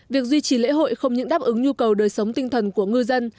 việc duy trì lễ hội không những đáp ứng nhu cầu đời sống tinh thần của ngư dân